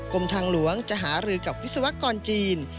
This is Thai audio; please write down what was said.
กรมทางหลวงจะหารือกับวิศวกรจีน